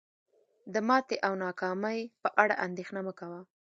د ماتې او ناکامۍ په اړه اندیښنه مه کوه.